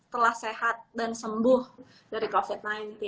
telah sehat dan sembuh dari covid sembilan belas